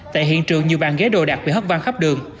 tại hiện trường nhiều bàn ghế đồ đặt bị hấp vang khắp đường